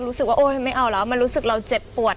โอ๊ยไม่เอาแล้วมันรู้สึกเราเจ็บปวด